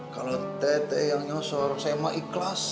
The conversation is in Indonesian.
kalau teh teh yang nyosor saya mah ikhlas